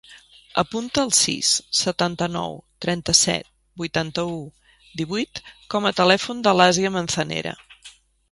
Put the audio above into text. Apunta el sis, setanta-nou, trenta-set, vuitanta-u, divuit com a telèfon de l'Àsia Manzanera.